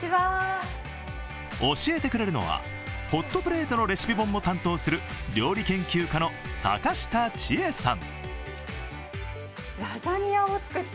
教えてくれるのは、ホットプレートのレシピ本も担当する料理研究家の阪下千恵さん。